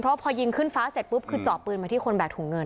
เพราะพอยิงขึ้นฟ้าเสร็จปุ๊บคือเจาะปืนมาที่คนแบกถุงเงิน